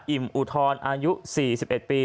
อิมอุทอร์นอายุ๔๑ปี